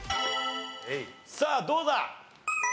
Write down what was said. さあどうだ？